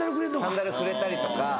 サンダルくれたりとか。